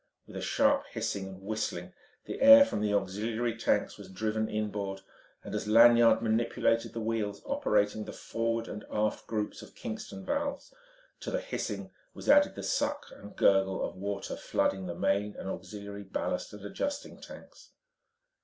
With a sharp hissing and whistling the air from the auxiliary tanks was driven inboard, and as Lanyard manipulated the wheels operating the forward and aft groups of Kingston valves, to the hissing was added the suck and gurgle of water flooding the main and auxiliary ballast and adjusting tanks.